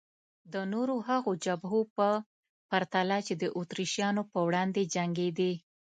د نورو هغو جبهو په پرتله چې د اتریشیانو په وړاندې جنګېدې.